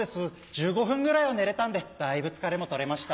１５分ぐらいは寝れたんでだいぶ疲れも取れました。